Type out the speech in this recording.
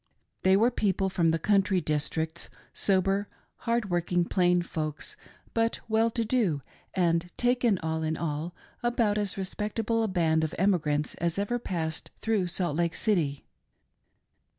They were people from the country districts, sober, hard working, plain folks, but well to do and, taken all in all, about as respectable a band of emigrants as ever passed through Salt Lake City.